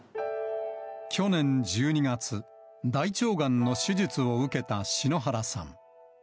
去年１２月、大腸がんの手術を受けた篠原さん。